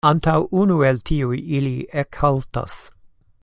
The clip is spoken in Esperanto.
Antaŭ unu el tiuj ili ekhaltas.